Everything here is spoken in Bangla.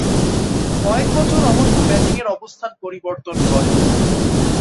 কয়েক বছর অবশ্য ব্যাটিংয়ের অবস্থান পরিবর্তন করেন।